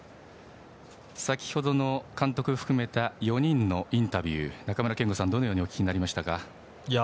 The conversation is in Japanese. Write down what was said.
先ほどの監督含めた４人のインタビュー中村憲剛さん、どのようにお聞きになりましたか？